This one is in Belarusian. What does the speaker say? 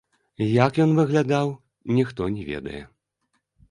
Як ён выглядаў, ніхто не ведае.